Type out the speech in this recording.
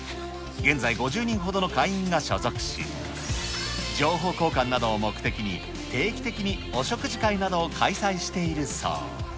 現在、５０人ほどの会員が所属し、情報交換などを目的に、定期的にお食事会などを開催しているそう。